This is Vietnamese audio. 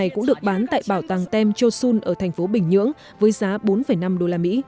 cũng được bán tại bảo tàng tem chosun ở thành phố bình nhưỡng với giá bốn năm usd